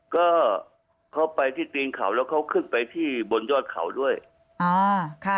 ก็เขาไปที่ตีนเขาแล้วเขาขึ้นไปที่บนยอดเขาด้วยอ่าค่ะ